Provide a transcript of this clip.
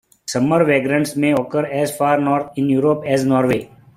Summer vagrants may occur as far north in Europe as Norway.